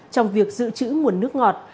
trong việc giữ chữ nguồn nước ngọt